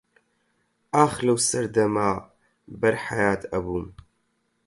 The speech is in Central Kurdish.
ئاخ لەو سەردەما بەر حەیات ئەبووم